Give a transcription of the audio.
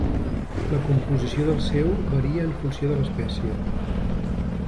La composició del seu varia en funció de l'espècie.